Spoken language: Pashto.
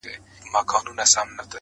• زما د ژوند د كرسمې خبري.